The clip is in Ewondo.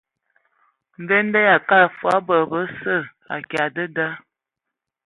Mvende yʼakala fə bod bəsə akya dəda.